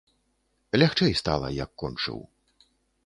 Лягчэй стала, як кончыў.